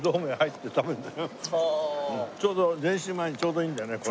ちょうど練習前にちょうどいいんだよねこれ。